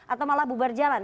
atau malah bubar jalan